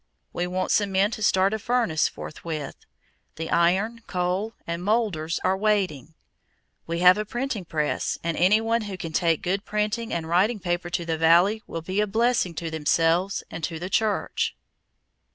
We want some men to start a furnace forthwith; the iron, coal, and molders are waiting.... We have a printing press and any one who can take good printing and writing paper to the Valley will be a blessing to themselves and the church."